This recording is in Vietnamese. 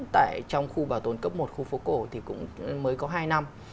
tại trong khu bảo tồn cấp một khu phố cổ thì cũng mới có hai năm